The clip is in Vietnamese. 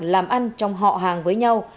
làm ăn trong họ hàng với nhau